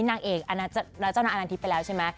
นางเอกอันนัถเจ้าน่าอันทิพย์ไปแล้วใช่ไหม